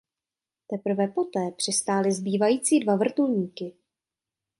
Teprve poté přistály zbývající dva vrtulníky.